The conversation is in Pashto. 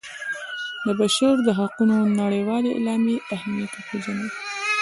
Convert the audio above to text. د بشر د حقونو نړیوالې اعلامیې اهمیت وپيژني.